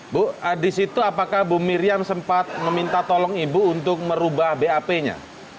bu di situ apakah bu miriam sempat meminta tolong ibu untuk merubah bap nya